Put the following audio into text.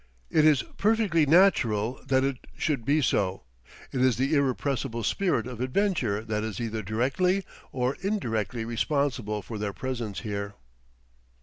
It is perfectly natural that it should be so; it is the irrepressible spirit of adventure that is either directly or indirectly responsible for their presence here.